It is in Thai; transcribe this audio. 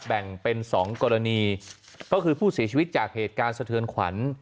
แบ่งเป็น๒กรณีก็คือผู้เสียชีวิตจากเหตุการณ์สะเทือนขวัญ